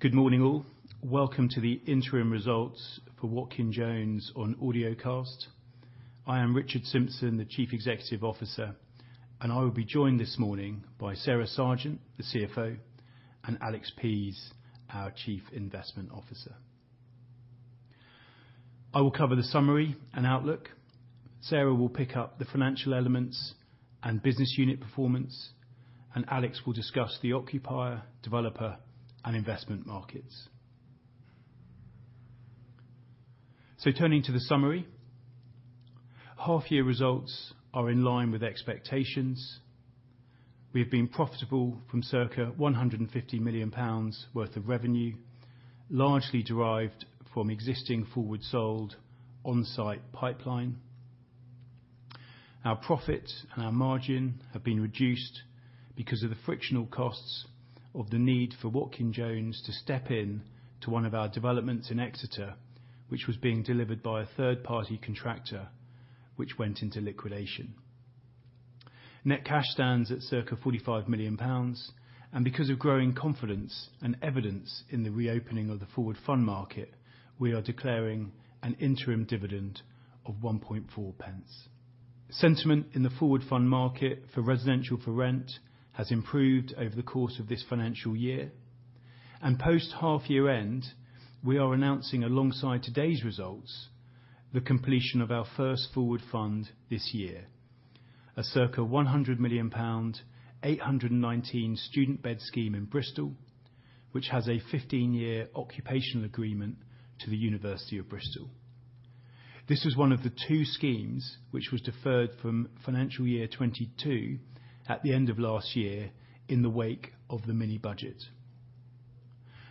Good morning, all. Welcome to the interim results for Watkin Jones on Audiocast. I am Richard Simpson, the Chief Executive Officer, and I will be joined this morning by Sarah Sergeant, the CFO, and Alex Pease, our Chief Investment Officer. I will cover the summary and outlook. Sarah will pick up the financial elements and business unit performance, and Alex will discuss the occupier, developer and investment markets. Turning to the summary. Half year results are in line with expectations. We have been profitable from circa 150 million pounds worth of revenue, largely derived from existing forward sold on-site pipeline. Our profit and our margin have been reduced because of the frictional costs of the need for Watkin Jones to step in to one of our developments in Exeter, which was being delivered by a third-party contractor which went into liquidation. Net cash stands at circa 45 million pounds. Because of growing confidence and evidence in the reopening of the forward fund market, we are declaring an interim dividend of 1.4. Sentiment in the forward fund market for residential for-rent has improved over the course of this financial year. Post half year end, we are announcing alongside today's results, the completion of our first forward fund this year. A circa 100 million pound, 819 student bed scheme in Bristol, which has a 15-year occupational agreement to the University of Bristol. This is one of the two schemes which was deferred from financial year 2022 at the end of last year in the wake of the mini-budget.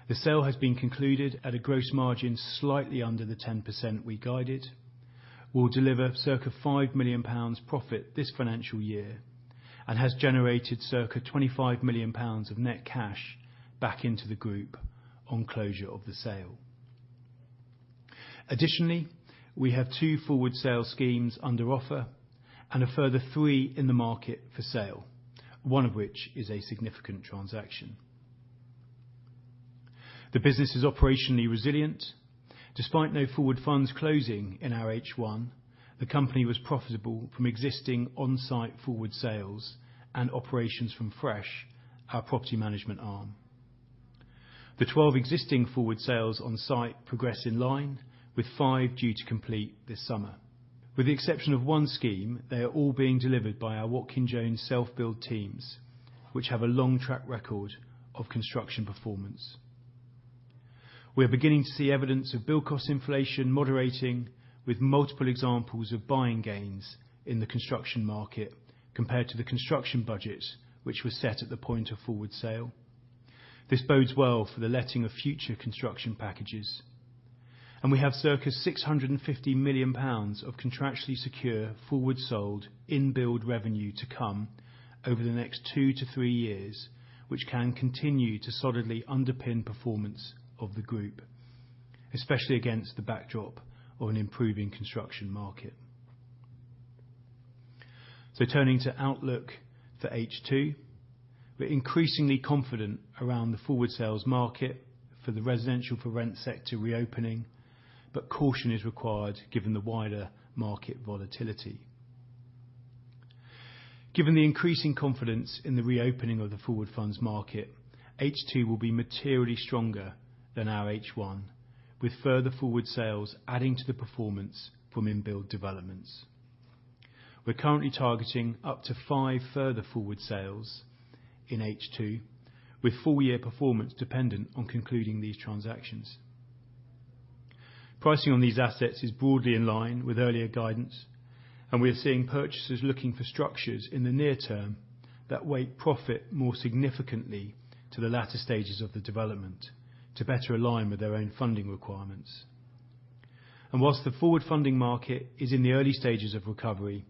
The sale has been concluded at a gross margin, slightly under the 10% we guided, will deliver circa 5 million pounds profit this financial year, and has generated circa 25 million pounds of net cash back into the group on closure of the sale. Additionally, we have two forward sale schemes under offer and a further three in the market for sale, one of which is a significant transaction. The business is operationally resilient. Despite no forward funds closing in our H1, the company was profitable from existing on-site forward sales and operations from Fresh, our property management arm. The 12 existing forward sales on-site progress in line with five due to complete this summer. With the exception of one scheme, they are all being delivered by our Watkin Jones self-build teams, which have a long track record of construction performance. We are beginning to see evidence of bill cost inflation moderating with multiple examples of buying gains in the construction market compared to the construction budget, which was set at the point of forward sale. This bodes well for the letting of future construction packages. We have circa 650 million pounds of contractually secure forward sold in-build revenue to come over the next two-three years, which can continue to solidly underpin performance of the group, especially against the backdrop of an improving construction market. Turning to outlook for H2. We're increasingly confident around the forward sales market for the residential for rent sector reopening, but caution is required given the wider market volatility. Given the increasing confidence in the reopening of the forward funds market, H2 will be materially stronger than our H1, with further forward sales adding to the performance from in-build developments. We're currently targeting up to five further forward sales in H2, with full year performance dependent on concluding these transactions. Pricing on these assets is broadly in line with earlier guidance, we are seeing purchasers looking for structures in the near term that weight profit more significantly to the latter stages of the development to better align with their own funding requirements. Whilst the forward funding market is in the early stages of recovery,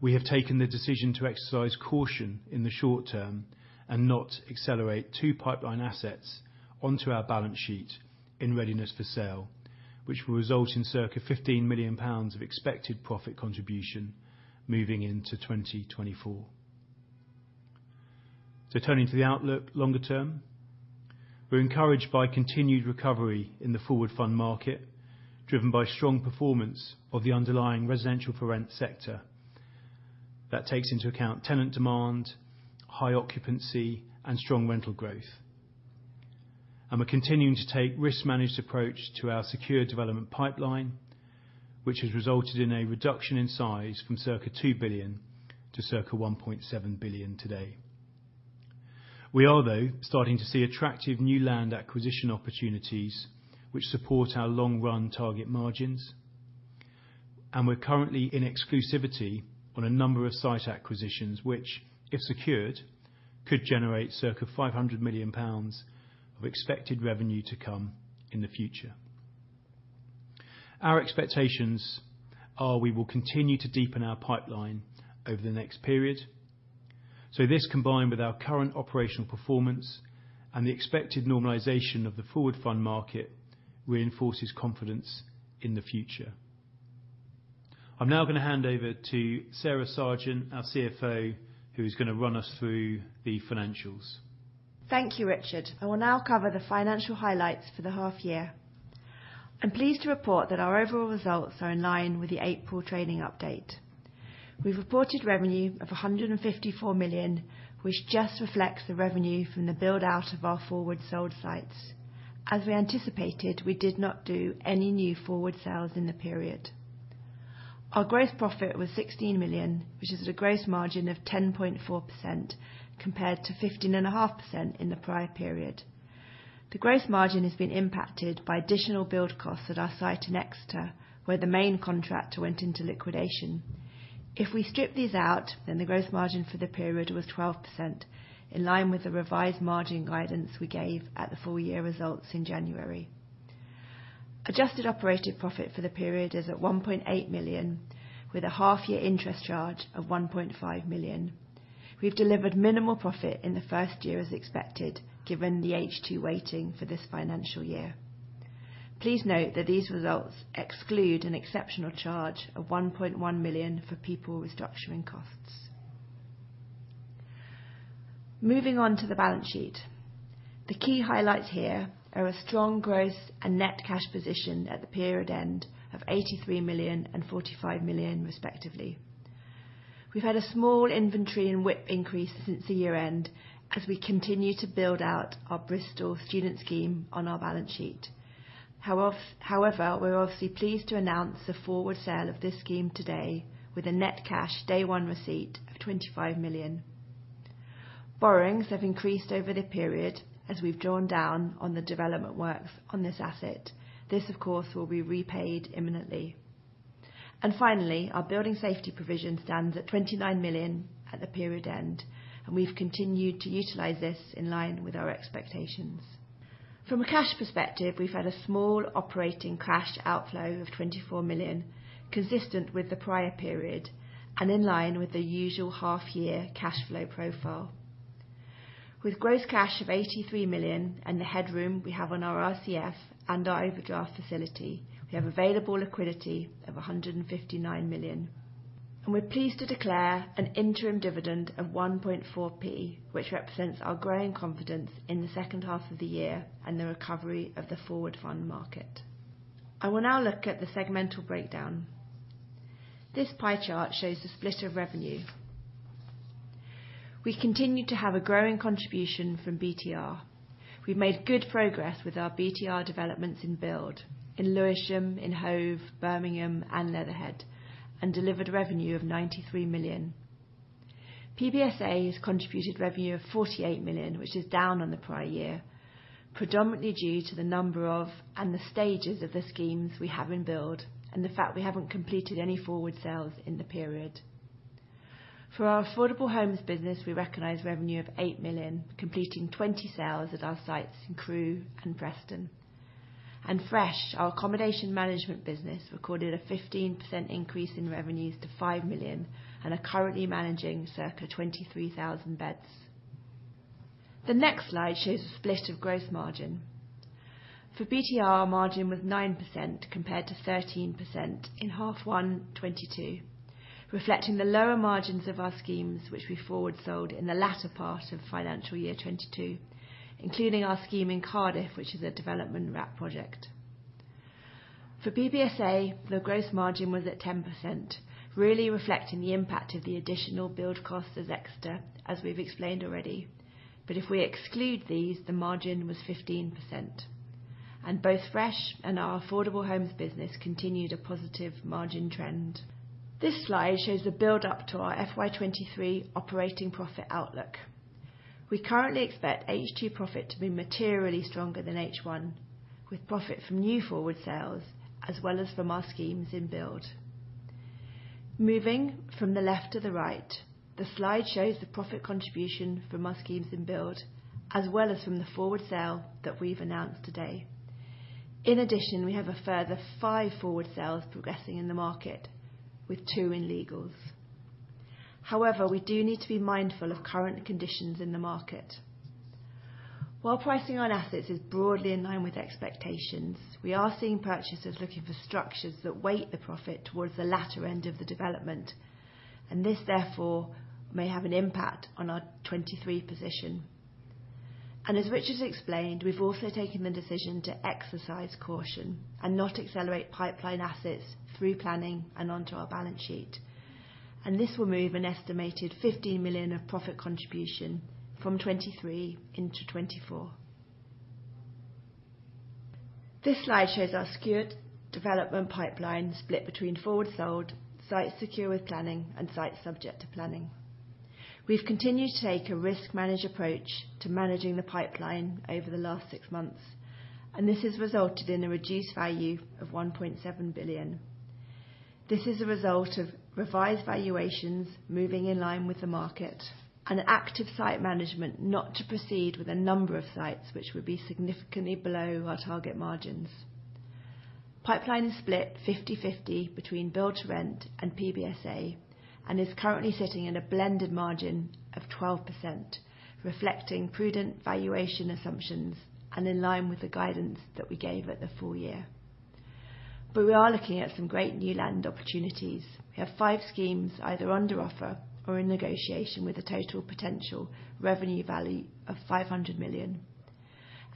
we have taken the decision to exercise caution in the short term and not accelerate two pipeline assets onto our balance sheet in readiness for sale, which will result in circa 15 million pounds of expected profit contribution moving into 2024. Turning to the outlook longer term. We're encouraged by continued recovery in the forward fund market, driven by strong performance of the underlying residential for rent sector that takes into account tenant demand, high occupancy and strong rental growth. We're continuing to take risk managed approach to our secure development pipeline, which has resulted in a reduction in size from circa 2 billion to circa 1.7 billion today. We are, though, starting to see attractive new land acquisition opportunities which support our long run target margins. We're currently in exclusivity on a number of site acquisitions, which, if secured, could generate circa 500 million pounds of expected revenue to come in the future. Our expectations are we will continue to deepen our pipeline over the next period. This, combined with our current operational performance and the expected normalization of the forward fund market, reinforces confidence in the future. I'm now gonna hand over to Sarah Sergeant, our CFO, who is gonna run us through the financials. Thank you, Richard. I will now cover the financial highlights for the half year. I'm pleased to report that our overall results are in line with the April trading update. We've reported revenue of 154 million, which just reflects the revenue from the build-out of our forward sold sites. As we anticipated, we did not do any new forward sales in the period. Our gross profit was 16 million, which is at a gross margin of 10.4% compared to 15.5% in the prior period. The gross margin has been impacted by additional build costs at our site in Exeter, where the main contractor went into liquidation. If we strip these out, the gross margin for the period was 12% in line with the revised margin guidance we gave at the full year results in January. Adjusted operative profit for the period is at 1.8 million, with a half year interest charge of 1.5 million. We've delivered minimal profit in the first year as expected, given the H2 waiting for this financial year. Please note that these results exclude an exceptional charge of 1.1 million for people restructuring costs. Moving on to the balance sheet. The key highlights here are a strong gross and net cash position at the period end of 83 million and 45 million respectively. We've had a small inventory and WIP increase since the year end as we continue to build out our Bristol student scheme on our balance sheet. However, we're obviously pleased to announce the forward sale of this scheme today with a net cash day one receipt of 25 million. Borrowings have increased over the period as we've drawn down on the development works on this asset. This, of course, will be repaid imminently. Finally, our building safety provision stands at 29 million at the period end, and we've continued to utilize this in line with our expectations. From a cash perspective, we've had a small operating cash outflow of 24 million, consistent with the prior period and in line with the usual half year cash flow profile. With gross cash of 83 million and the headroom we have on our RCF and our overdraft facility, we have available liquidity of 159 million. We're pleased to declare an interim dividend of 0.014, which represents our growing confidence in the second half of the year and the recovery of the forward fund market. I will now look at the segmental breakdown. This pie chart shows the split of revenue. We continue to have a growing contribution from BTR. We've made good progress with our BTR developments in build in Lewisham, in Hove, Birmingham and Leatherhead, and delivered revenue of 93 million. PBSA has contributed revenue of 48 million, which is down on the prior year, predominantly due to the number of and the stages of the schemes we have in build and the fact we haven't completed any forward sales in the period. For our affordable homes business, we recognize revenue of 8 million, completing 20 sales at our sites in Crewe and Preston. Fresh, our accommodation management business, recorded a 15% increase in revenues to 5 million and are currently managing circa 23,000 beds. The next slide shows a split of gross margin. For BTR, our margin was 9% compared to 13% in H1 2022, reflecting the lower margins of our schemes which we forward sold in the latter part of financial year 2022, including our scheme in Cardiff, which is a development wrap project. For PBSA, the gross margin was at 10%, really reflecting the impact of the additional build cost as Exeter, as we've explained already. If we exclude these, the margin was 15%. Both Fresh and our affordable homes business continued a positive margin trend. This slide shows the build up to our FY 2023 operating profit outlook. We currently expect H2 profit to be materially stronger than H1, with profit from new forward sales as well as from our schemes in build. Moving from the left to the right, the slide shows the profit contribution from our schemes in build as well as from the forward sale that we've announced today. In addition, we have a further five forward sales progressing in the market with two in legals. However, we do need to be mindful of current conditions in the market. While pricing on assets is broadly in line with expectations, we are seeing purchasers looking for structures that weight the profit towards the latter end of the development, and this therefore may have an impact on our 2023 position. As Richard explained, we've also taken the decision to exercise caution and not accelerate pipeline assets through planning and onto our balance sheet. This will move an estimated 15 million of profit contribution from 2023 into 2024. This slide shows our secured development pipeline split between forward sold, sites secure with planning and sites subject to planning. We've continued to take a risk manage approach to managing the pipeline over the last six months, this has resulted in a reduced value of 1.7 billion. This is a result of revised valuations moving in line with the market and active site management not to proceed with a number of sites which would be significantly below our target margins. Pipeline is split 50/50 between Build to Rent and PBSA. Is currently sitting in a blended margin of 12%, reflecting prudent valuation assumptions and in line with the guidance that we gave at the full year. We are looking at some great new land opportunities. We have five schemes, either under offer or in negotiation with a total potential revenue value of 500 million.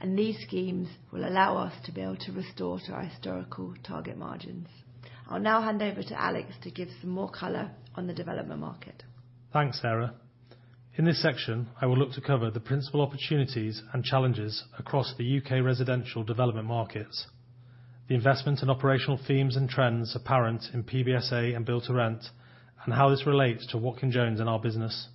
These schemes will allow us to be able to restore to our historical target margins. I'll now hand over to Alex to give some more color on the development market. Thanks, Sarah. In this section, I will look to cover the principal opportunities and challenges across the U.K. residential development markets, the investment and operational themes and trends apparent in PBSA and Build to Rent, and how this relates to Watkin Jones and our business.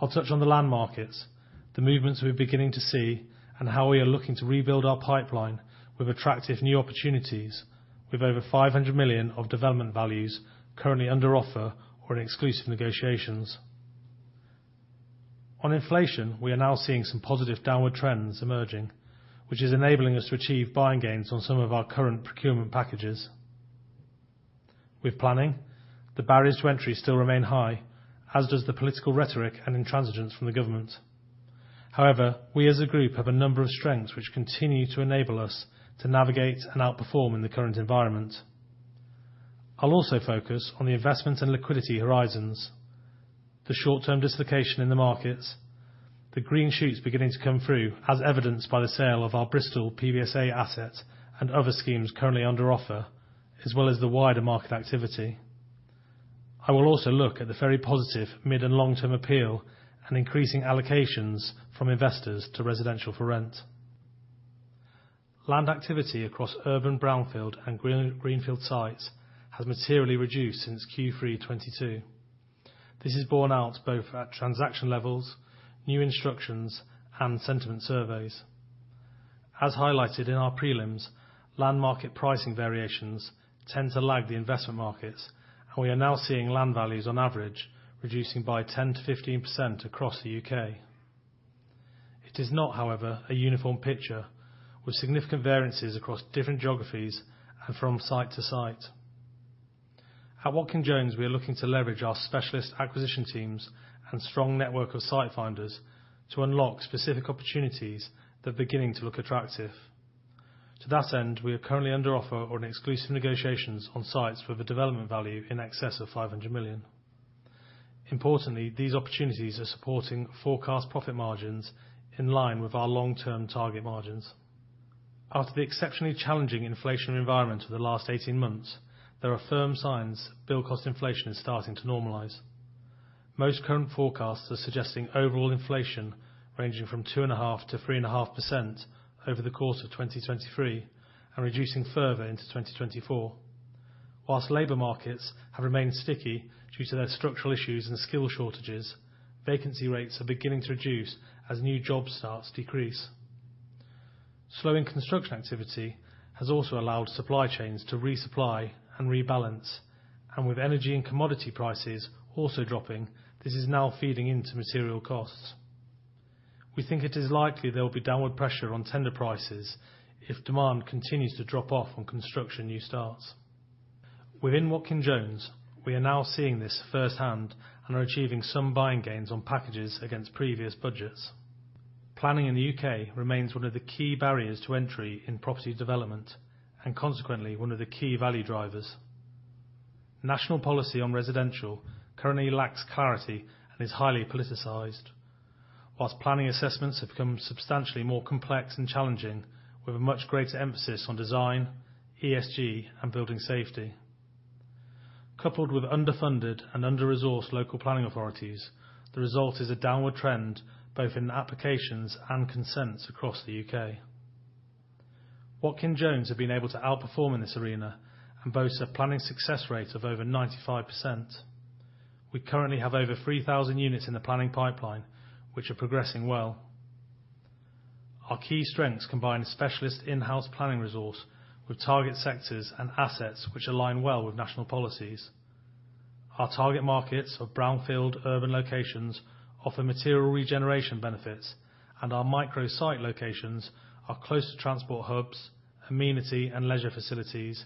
I'll touch on the land markets, the movements we're beginning to see, and how we are looking to rebuild our pipeline with attractive new opportunities with over 500 million of development values currently under offer or in exclusive negotiations. On inflation, we are now seeing some positive downward trends emerging, which is enabling us to achieve buying gains on some of our current procurement packages. With planning, the barriers to entry still remain high, as does the political rhetoric and intransigence from the government. We as a group have a number of strengths which continue to enable us to navigate and outperform in the current environment. I'll also focus on the investment and liquidity horizons, the short-term dislocation in the markets, the green shoots beginning to come through as evidenced by the sale of our Bristol PBSA asset and other schemes currently under offer, as well as the wider market activity. I will also look at the very positive mid and long-term appeal and increasing allocations from investors to residential-for-rent. Land activity across urban brownfield and greenfield sites has materially reduced since Q3 2022. This is borne out both at transaction levels, new instructions, and sentiment surveys. As highlighted in our prelims, land market pricing variations tend to lag the investment markets. We are now seeing land values on average, reducing by 10%-15% across the U.K. It is not, however, a uniform picture with significant variances across different geographies and from site to site. At Watkin Jones, we are looking to leverage our specialist acquisition teams and strong network of site finders to unlock specific opportunities that are beginning to look attractive. To that end, we are currently under offer on exclusive negotiations on sites with a development value in excess of 500 million. Importantly, these opportunities are supporting forecast profit margins in line with our long-term target margins. After the exceptionally challenging inflationary environment of the last 18 months, there are firm signs build cost inflation is starting to normalize. Most current forecasts are suggesting overall inflation ranging from 2.5%-3.5% over the course of 2023, and reducing further into 2024. While labor markets have remained sticky due to their structural issues and skill shortages, vacancy rates are beginning to reduce as new job starts decrease. Slowing construction activity has also allowed supply chains to resupply and rebalance. With energy and commodity prices also dropping, this is now feeding into material costs. We think it is likely there will be downward pressure on tender prices if demand continues to drop off on construction new starts. Within Watkin Jones, we are now seeing this first hand and are achieving some buying gains on packages against previous budgets. Planning in the U.K. remains one of the key barriers to entry in property development, and consequently, one of the key value drivers. National policy on residential currently lacks clarity and is highly politicized. Planning assessments have become substantially more complex and challenging with a much greater emphasis on design, ESG, and building safety. Coupled with underfunded and under-resourced local planning authorities, the result is a downward trend, both in applications and consents across the U.K. Watkin Jones have been able to outperform in this arena and boasts a planning success rate of over 95%. We currently have over 3,000 units in the planning pipeline, which are progressing well. Our key strengths combine a specialist in-house planning resource with target sectors and assets which align well with national policies. Our target markets of brownfield urban locations offer material regeneration benefits, and our micro-site locations are close to transport hubs, amenity and leisure facilities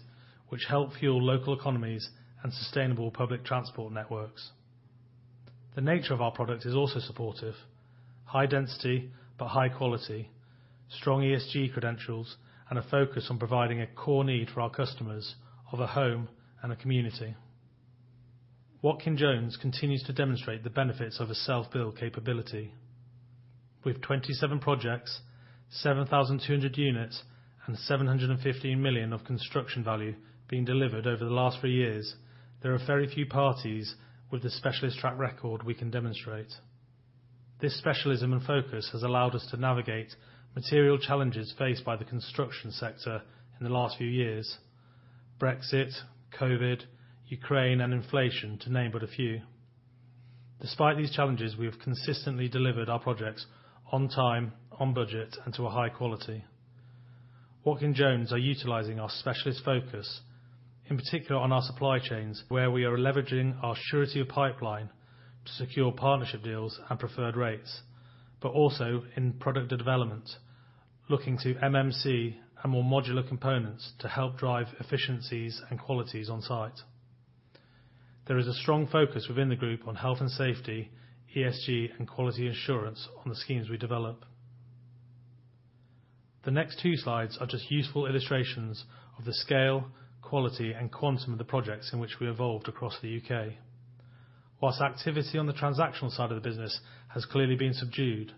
which help fuel local economies and sustainable public transport networks. The nature of our product is also supportive. High density but high quality, strong ESG credentials, and a focus on providing a core need for our customers of a home and a community. Watkin Jones continues to demonstrate the benefits of a self-build capability. With 27 projects, 7,200 units, and 715 million of construction value being delivered over the last three years, there are very few parties with the specialist track record we can demonstrate. This specialism and focus has allowed us to navigate material challenges faced by the construction sector in the last few years. Brexit, COVID, Ukraine, and inflation to name but a few. Despite these challenges, we have consistently delivered our projects on time, on budget, and to a high quality. Watkin Jones are utilizing our specialist focus, in particular on our supply chains, where we are leveraging our surety of pipeline to secure partnership deals and preferred rates. Also in product development, looking to MMC and more modular components to help drive efficiencies and qualities on site. There is a strong focus within the group on health and safety, ESG, and quality assurance on the schemes we develop. The next two slides are just useful illustrations of the scale, quality, and quantum of the projects in which we evolved across the U.K. Whilst activity on the transactional side of the business has clearly been subdued,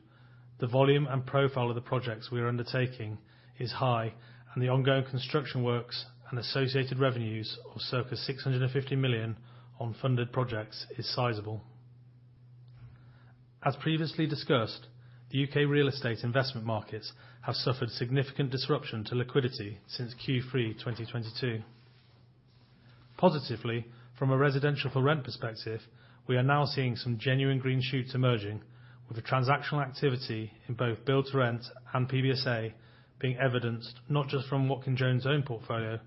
the volume and profile of the projects we are undertaking is high, and the ongoing construction works and associated revenues of circa 650 million on funded projects is sizable. As previously discussed, the U.K. real estate investment markets have suffered significant disruption to liquidity since Q3, 2022. Positively, from a residential for rent perspective, we are now seeing some genuine green shoots emerging with the transactional activity in both Build to Rent and PBSA being evidenced, not just from Watkin Jones' own portfolio,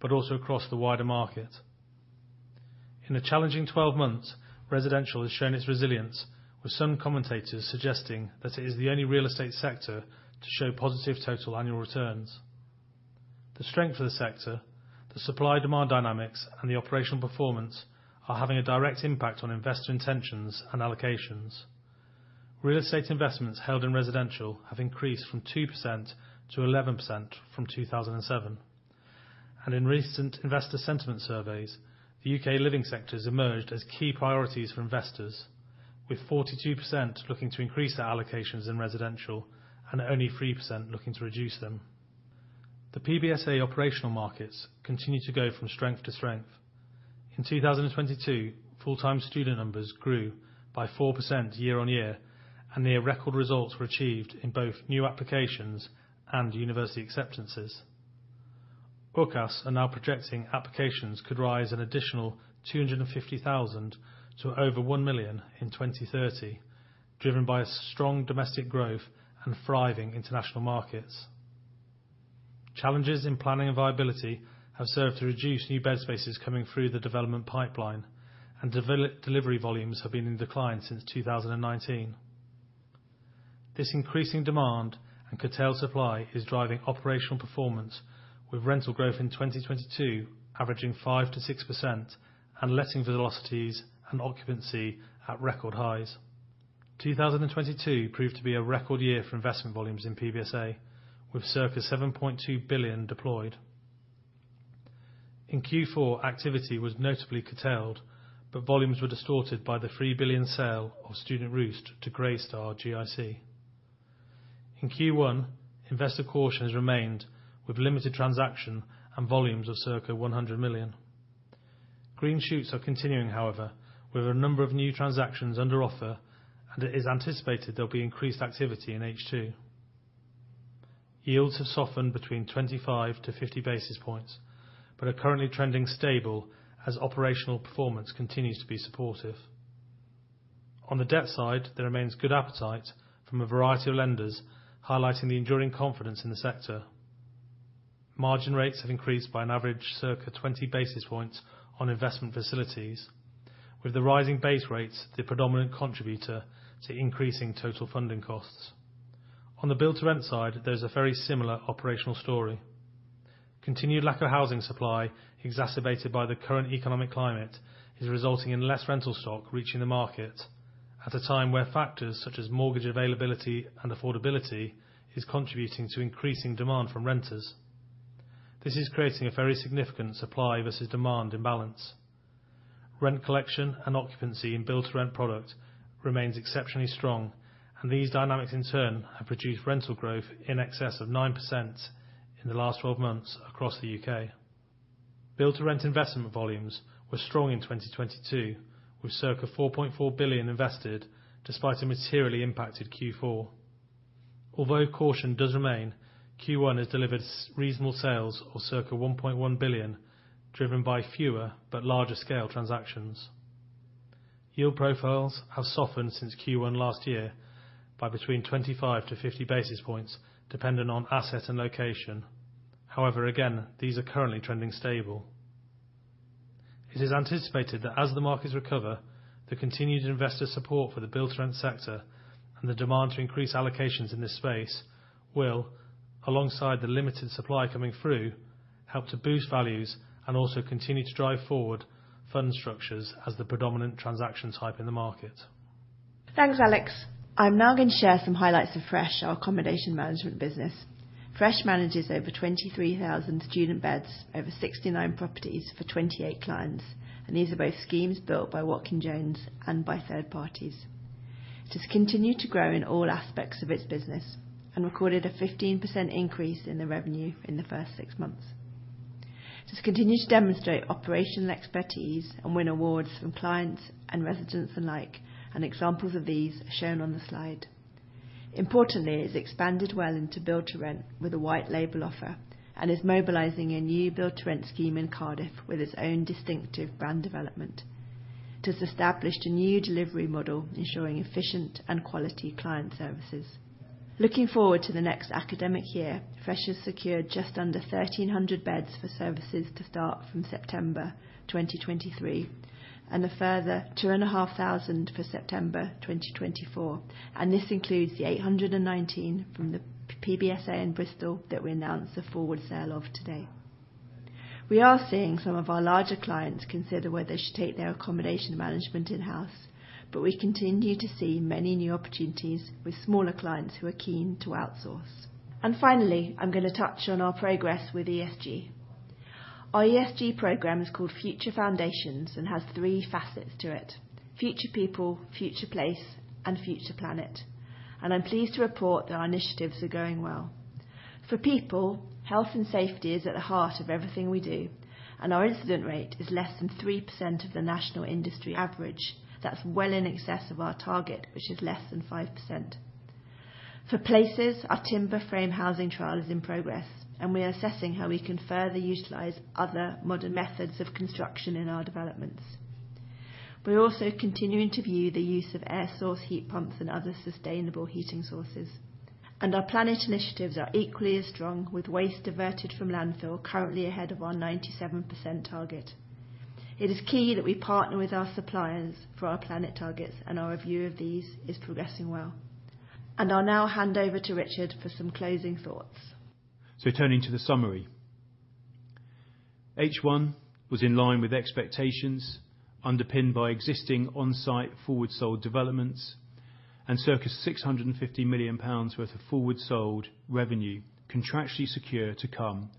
but also across the wider market. In a challenging 12 months, residential has shown its resilience, with some commentators suggesting that it is the only real estate sector to show positive total annual returns. The strength of the sector, the supply-demand dynamics, and the operational performance are having a direct impact on investor intentions and allocations. Real estate investments held in residential have increased from 2% to 11% from 2007. In recent investor sentiment surveys, the UK living sectors emerged as key priorities for investors, with 42% looking to increase their allocations in residential and only 3% looking to reduce them. The PBSA operational markets continue to go from strength to strength. In 2022, full-time student numbers grew by 4% year on year, and near record results were achieved in both new applications and university acceptances. UCAS are now projecting applications could rise an additional 250,000 to over 1 million in 2030, driven by a strong domestic growth and thriving international markets. Challenges in planning and viability have served to reduce new bed spaces coming through the development pipeline and delivery volumes have been in decline since 2019. This increasing demand and curtailed supply is driving operational performance with rental growth in 2022, averaging 5%-6% and letting velocities and occupancy at record highs. 2022 proved to be a record year for investment volumes in PBSA, with circa 7.2 billion deployed. In Q4, activity was notably curtailed, but volumes were distorted by the 3 billion sale of Student Roost to Greystar GIC. In Q1, investor caution has remained with limited transaction and volumes of circa 100 million. Green shoots are continuing, however, with a number of new transactions under offer, and it is anticipated there'll be increased activity in H2. Yields have softened between 25-50 basis points, but are currently trending stable as operational performance continues to be supportive. On the debt side, there remains good appetite from a variety of lenders, highlighting the enduring confidence in the sector. Margin rates have increased by an average circa 20 basis points on investment facilities, with the rising base rates the predominant contributor to increasing total funding costs. On the Build to Rent side, there's a very similar operational story. Continued lack of housing supply, exacerbated by the current economic climate, is resulting in less rental stock reaching the market at a time where factors such as mortgage availability and affordability is contributing to increasing demand from renters. This is creating a very significant supply versus demand imbalance. Rent collection and occupancy in Build to Rent product remains exceptionally strong, and these dynamics in turn have produced rental growth in excess of 9% in the last 12 months across the U.K. Build to Rent investment volumes were strong in 2022, with circa 4.4 billion invested despite a materially impacted Q4. Although caution does remain, Q1 has delivered reasonable sales of circa 1.1 billion, driven by fewer but larger scale transactions. Yield profiles have softened since Q1 last year by between 25-50 basis points, dependent on asset and location. Again, these are currently trending stable. It is anticipated that as the markets recover, the continued investor support for the Build to Rent sector and the demand to increase allocations in this space will, alongside the limited supply coming through, help to boost values and also continue to drive forward fund structures as the predominant transaction type in the market. Thanks, Alex. I'm now gonna share some highlights of Fresh, our accommodation management business. Fresh manages over 23,000 student beds over 69 properties for 28 clients, and these are both schemes built by Watkin Jones and by third parties. It has continued to grow in all aspects of its business and recorded a 15% increase in the revenue in the first six months. It has continued to demonstrate operational expertise and win awards from clients and residents alike, and examples of these are shown on the slide. Importantly, it's expanded well into Build to Rent with a white label offer and is mobilizing a new Build to Rent scheme in Cardiff with its own distinctive brand development. It has established a new delivery model ensuring efficient and quality client services. Looking forward to the next academic year, Fresh has secured just under 1,300 beds for services to start from September 2023, and a further 2,500 for September 2024. This includes the 819 from the PBSA in Bristol that we announced the forward sale of today. We are seeing some of our larger clients consider whether they should take their accommodation management in-house, but we continue to see many new opportunities with smaller clients who are keen to outsource. Finally, I'm gonna touch on our progress with ESG. Our ESG program is called Future Foundations and has three facets to it: Future People, Future Places, and Future Planet. I'm pleased to report that our initiatives are going well. For people, health and safety is at the heart of everything we do, and our incident rate is less than 3% of the national industry average. That's well in excess of our target, which is less than 5%. For places, our timber frame housing trial is in progress, and we are assessing how we can further utilize other modern methods of construction in our developments. We're also continuing to view the use of air source heat pumps and other sustainable heating sources. Our planet initiatives are equally as strong, with waste diverted from landfill currently ahead of our 97% target. It is key that we partner with our suppliers for our planet targets, and our review of these is progressing well. I'll now hand over to Richard for some closing thoughts. Turning to the summary. H1 was in line with expectations underpinned by existing on-site forward sold developments and circa 650 million pounds worth of forward sold revenue contractually secure to come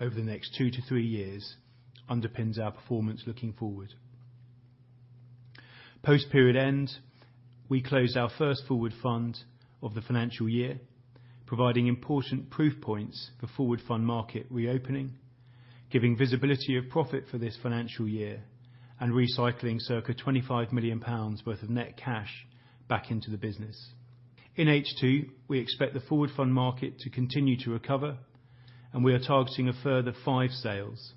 over the next two to three years underpins our performance looking forward. Post period end, we closed our first forward fund of the financial year, providing important proof points for forward fund market reopening, giving visibility of profit for this financial year, and recycling circa 25 million pounds worth of net cash back into the business. In H2, we expect the forward fund market to continue to recover, we are targeting a further 5 sales.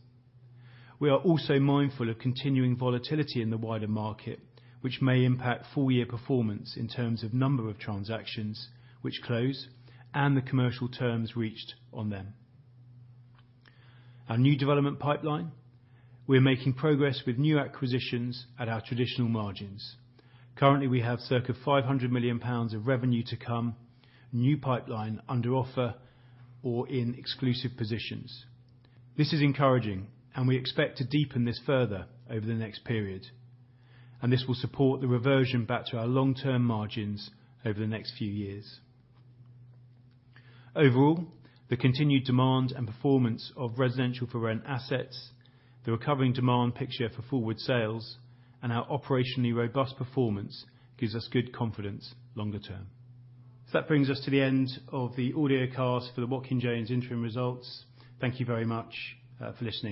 We are also mindful of continuing volatility in the wider market, which may impact full-year performance in terms of number of transactions which close and the commercial terms reached on them. Our new development pipeline, we're making progress with new acquisitions at our traditional margins. Currently, we have circa 500 million pounds of revenue to come, new pipeline under offer, or in exclusive positions. This is encouraging, and we expect to deepen this further over the next period, and this will support the reversion back to our long-term margins over the next few years. Overall, the continued demand and performance of residential for rent assets, the recovering demand picture for forward sales, and our operationally robust performance gives us good confidence longer term. That brings us to the end of the audio cast for the Watkin Jones interim results. Thank you very much for listening.